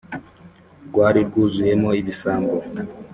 rwari rwuzuyemo ibisambo